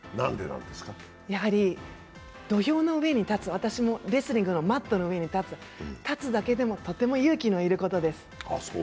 やはり土俵の上に立つ、私もレスリングのマットの上に立つ、立つだけでも、とても勇気の要ることです。